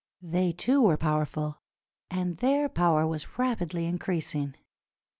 They, too, were powerful, and their power was rapidly increasing.